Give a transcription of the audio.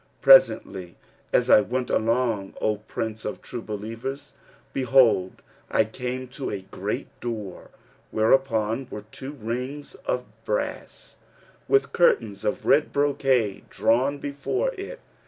Presently, as I went along, O Prince of True Believers, behold, I came to a great door, whereon were two rings of brass,[FN#329] with curtains of red brocade drawn before it.